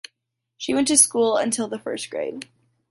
She went to school until the first grade.